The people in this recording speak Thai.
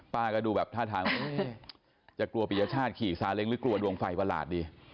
ก็ดูแบบท่าทางจะกลัวปียชาติขี่ซาเล้งหรือกลัวดวงไฟประหลาดดี